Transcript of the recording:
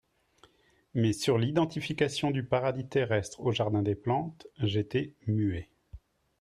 Mais sur l'identification du Paradis terrestre au Jardin des Plantes, j'étais muet.